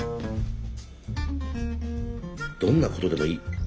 「どんなことでもいい。